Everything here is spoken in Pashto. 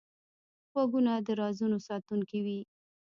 غوږونه د رازونو ساتونکی وي